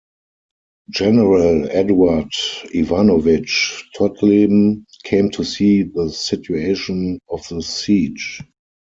General Eduard Ivanovich Todleben came to see the situation of the siege.